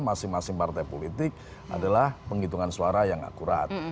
masing masing partai politik adalah penghitungan suara yang akurat